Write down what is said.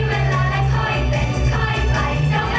แต่เราก็มีสักวัน